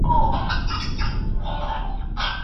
هر څوک چې غچ اخلي، هغه خپل سکون له لاسه ورکوي.